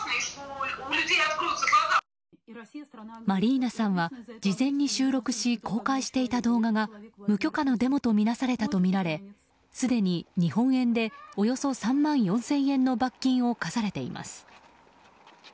マリーナさんは事前に収録し公開していた動画が無許可のデモとみなされたとみられすでに日本円でおよそ３万４０００円の罰金を科されています。